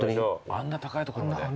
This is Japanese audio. あんな高いところまで。